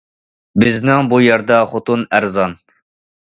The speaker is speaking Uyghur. ... بىزنىڭ بۇ يەردە خوتۇن ئەرزان.